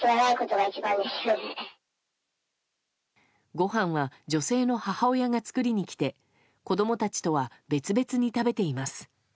ごはんは女性の母親が作りに来て子供たちとは別々に食べています。